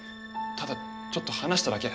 ただちょっと話しただけ。